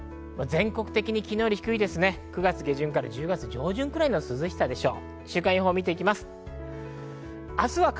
全国的に昨日より低く９月下旬から１０月上旬くらいの涼しさでしょう。